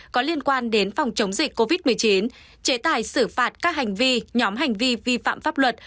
có liên quan đến phòng chống dịch covid một mươi chín chế tài xử phạt các hành vi nhóm hành vi vi phạm pháp luật